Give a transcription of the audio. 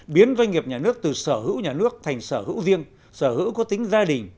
biến doanh nghiệp nhà nước từ sở hữu nhà nước thành sở hữu riêng sở hữu có tính gia đình